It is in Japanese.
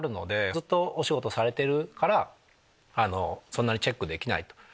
ずっとお仕事されてるからそんなにチェックできない。